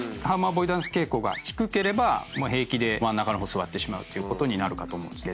ハーム・アボイダンス傾向が低ければ平気で真ん中の方座ってしまうということになる。